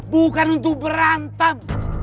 bukan untuk berantem